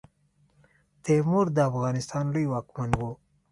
تیمور د افغانستان لوی واکمن وو.